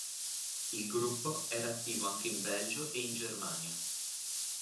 Il gruppo era attivo anche in Belgio e in Germania.